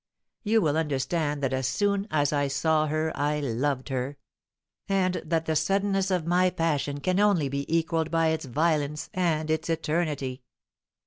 You will understand that as soon as I saw her I loved her; and that the suddenness of my passion can only be equalled by its violence and its eternity.